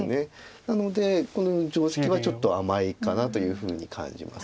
なのでこの定石はちょっと甘いかなというふうに感じます。